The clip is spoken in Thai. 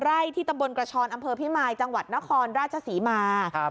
ไร่ที่ตำบลกระชอนอำเภอพิมายจังหวัดนครราชศรีมา